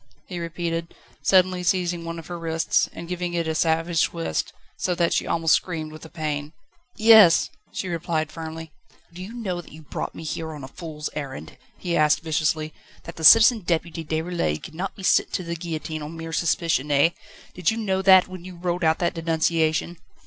he repeated, suddenly seizing one of her wrists, and giving it a savage twist, so that she almost screamed with the pain. "Yes," she replied firmly. "Do you know that you brought me here on a fool's errand?" he asked viciously; "that the Citizen Deputy Déroulède cannot be sent to the guillotine on mere suspicion, eh? Did you know that, when you wrote out that denunciation?"